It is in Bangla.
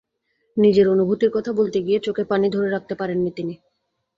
নিজের অনুভূতির কথা বলতে গিয়ে চোখে পানি ধরে রাখতে পারেননি তিনি।